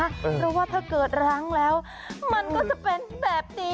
เพราะว่าถ้าเกิดรั้งแล้วมันก็จะเป็นแบบนี้